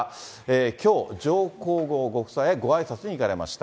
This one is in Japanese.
きょう、上皇后ご夫妻へごあいさつに行かれました。